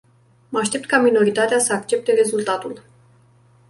Mă aștept ca minoritatea să accepte rezultatul.